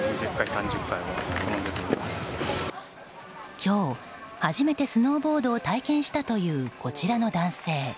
今日、初めてスノーボードを体験したというこちらの男性。